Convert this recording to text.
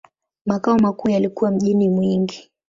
Makao makuu yalikuwa mjini Mwingi.